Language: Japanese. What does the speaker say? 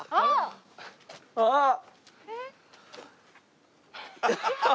あっ！